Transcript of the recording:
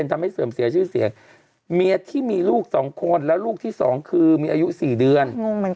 สามีของเมียที่มีลูก๒คนและลูกที่๒คืออายุ๔เดือน